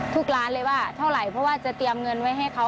ทุกร้านเลยว่าเท่าไหร่เพราะว่าจะเตรียมเงินไว้ให้เขา